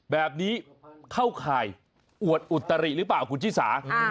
แบบนี้เข้าข่ายอวดอุตริหรือเปล่าคุณชิสา